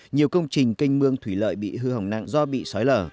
nhiều công trình kênh mương thủy lợi bị hư hỏng nặng do bị xói lở